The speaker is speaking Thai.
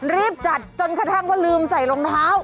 รีบจัดจนกระทั่งว่าลืมใส่รองเท้า